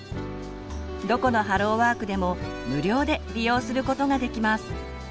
どこのハローワークでも無料で利用することができます。